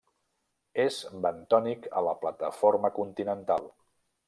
És bentònic a la plataforma continental.